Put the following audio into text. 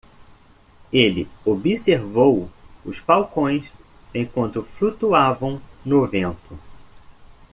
Ele observou os falcões enquanto flutuavam no vento.